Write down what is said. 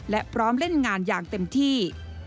และพร้อมเล่นงานอย่างเต็มที่